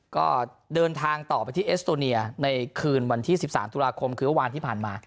ก็เดินทางต่อไปที่เอสโตเนียในคืนวันที่๑๓ตุลาคมคือเมื่อวานที่ผ่านมา